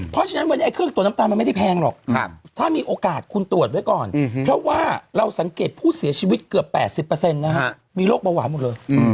เพราะฉะนั้นวันนี้เครื่องตรวจน้ำตาลมันไม่ได้แพงหรอกถ้ามีโอกาสคุณตรวจไว้ก่อนเพราะว่าเราสังเกตผู้เสียชีวิตเกือบ๘๐นะฮะมีโรคเบาหวานหมดเลย